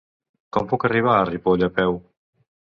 Com puc arribar a Ripoll a peu?